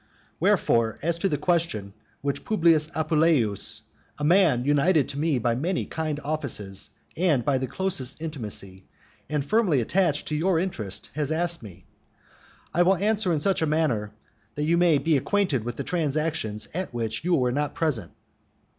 Wherefore, as to the question which Publius Appuleius a man united to me by many kind offices and by the closest intimacy, and firmly attached to your interests has asked me, I will answer in such a manner that you may be acquainted with the transactions at which you were not present.